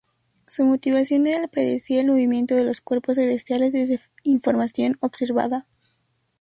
Su motivación era el predecir el movimiento de los cuerpos celestiales desde información observada.